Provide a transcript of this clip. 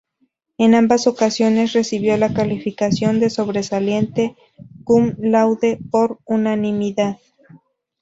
En ambas ocasiones recibió la calificación de sobresaliente "cum laude" por unanimidad.